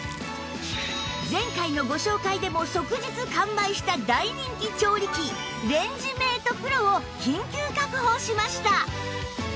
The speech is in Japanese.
前回のご紹介でも即日完売した大人気調理器レンジメート ＰＲＯ を緊急確保しました！